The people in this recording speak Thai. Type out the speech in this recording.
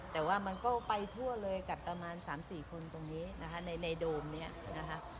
แต่ว่ามันก็ไปทั่วเลยกับประมาณ๓๔คนตรงนี้นะคะในโดมเนี่ยนะคะ